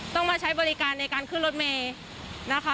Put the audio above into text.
ต้องมาใช้บริการในการขึ้นรถเมย์นะคะ